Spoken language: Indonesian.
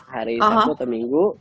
hari sabtu atau minggu